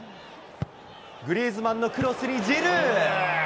グリーズマンのクロスにジルー。